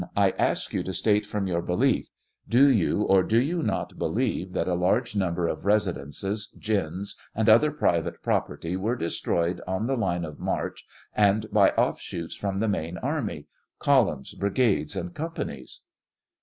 I ask you to state from your belief; do you or do you not believe that a large number of residences, gins, and other private property were destroyed on the line of march and by offshoots from the main army — col umns, brigades, and companies